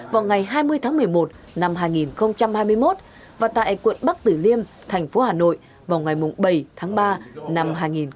vào ngày hai mươi tháng một mươi một năm hai nghìn hai mươi một và tại quận bắc tử liêm thành phố hà nội vào ngày bảy tháng ba năm hai nghìn hai mươi ba